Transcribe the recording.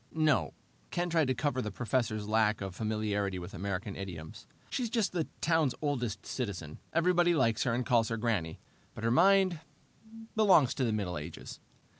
"No." Ken tried to cover the professor's lack of familiarity with American idioms. "She's just the town's oldest citizen. Everybody likes her and calls her Granny, but her mind belongs to the Middle Ages."